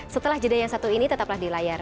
setelah jeda yang satu ini tetaplah di layar